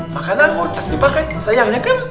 makanan anggur tak dipakai sayangnya kan